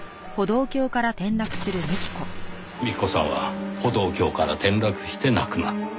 幹子さんは歩道橋から転落して亡くなった。